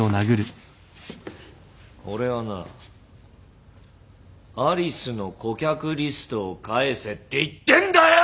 俺はなＡＬＩＣＥの顧客リストを返せって言ってんだよ！